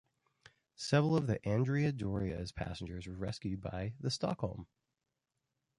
Several of the "Andrea Doria"s passengers were rescued by the "Stockholm".